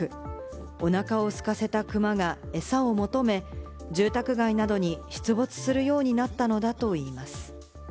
おなかをすかせたクマがエサを求め、住宅街などに出没するようになったのだといいます。